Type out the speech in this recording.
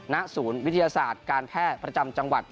ณศูนย์วิทยาศาสตร์การแพทย์ประจำจังหวัด